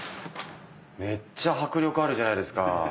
めっちゃ迫力あるじゃないですか。